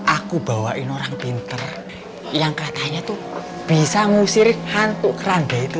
aku bawain orang pinter yang katanya tuh bisa ngusir hantu keranda itu